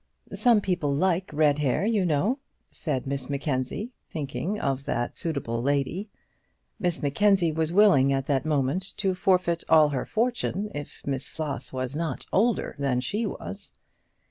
"Some people like red hair, you know," said Miss Mackenzie, thinking of the suitable lady. Miss Mackenzie was willing at that moment to forfeit all her fortune if Miss Floss was not older than she was!